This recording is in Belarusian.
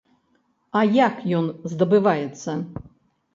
А як ён здабываецца?